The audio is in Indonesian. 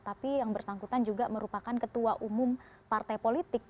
tapi yang bersangkutan juga merupakan ketua umum partai politik